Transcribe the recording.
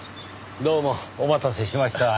どうもお待たせしました。